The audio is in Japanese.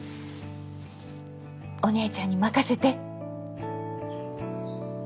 お姉ちゃんに任せて。